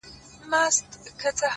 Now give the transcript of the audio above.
کنې دوى دواړي ويدېږي ورځ تېرېږي;